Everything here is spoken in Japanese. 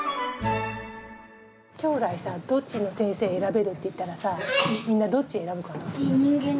将来どっちの先生選べるっていったらさみんな、どっち選ぶかな？